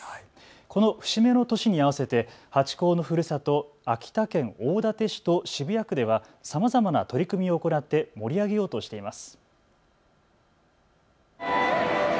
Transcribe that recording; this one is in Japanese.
この節目の年に合わせてハチ公のふるさと、秋田県大館市と渋谷区ではさまざまな取り組みを行って盛り上げようとしています。